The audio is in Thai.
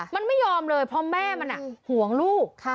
มันไม่ยอมเลยเพราะแม่มันห่วงลูก